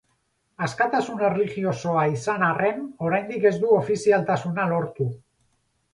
Askatasun erlijiosoa izan arren oraindik ez du ofizialtasuna lortu.